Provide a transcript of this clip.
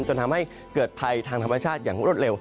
จนทำให้เกิดภัยทางธรรมชาติอย่างรวดเร็ว